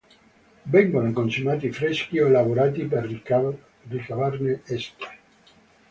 Vengono consumati freschi o elaborati per ricavarne esche.